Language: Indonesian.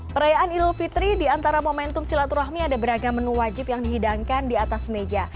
perayaan ilul fitri diantara momentum silaturahmi ada beragam menu wajib yang dihidangkan diatas meja